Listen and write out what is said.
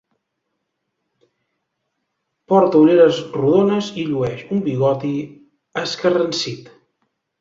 Porta ulleres rodones i llueix un bigoti escarransit.